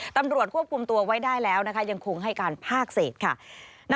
ตำรวจควบคุมตัวไว้ได้ล่ะคงให้การภาพเศษค่ะ